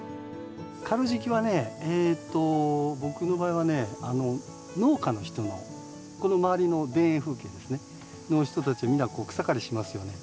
刈る時期はねえと僕の場合はねあの農家の人のこの周りの田園風景ですねの人たちみんな草刈りしますよね。